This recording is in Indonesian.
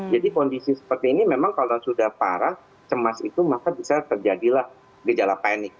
jadi kondisi seperti ini memang kalau sudah parah cemas itu maka bisa terjadilah gejala panik